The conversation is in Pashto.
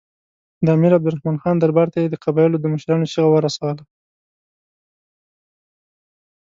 د امیر عبدالرحمن خان دربار ته یې د قبایلو د مشرانو چیغه ورسوله.